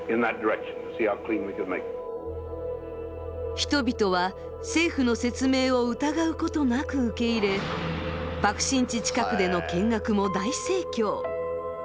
人々は政府の説明を疑うことなく受け入れ爆心地近くでの見学も大盛況。